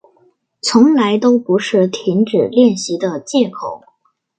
从来都不是停止练习的借口